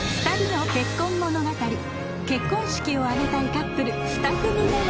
結婚式を挙げたいカップル２組目は。